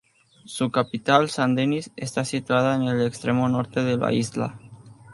Su capital, San Denis, está situada en el extremo norte de la isla.